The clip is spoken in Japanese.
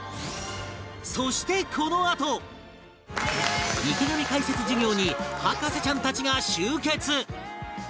そしてこのあと池上解説授業に博士ちゃんたちが集結！